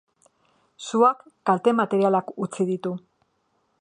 Suak kalte materialak utzi ditu.